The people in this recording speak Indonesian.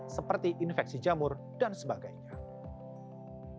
seperti infeksi jamur dan sebagainya